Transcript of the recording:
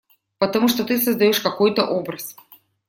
Потому что ты создаешь какой-то образ.